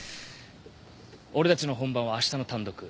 俺たちの本番はあしたの単独。